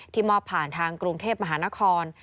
มอบผ่านทางกรุงเทพมหานคร